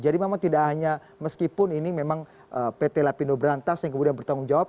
jadi memang tidak hanya meskipun ini memang pt lapindo berantas yang kemudian bertanggung jawab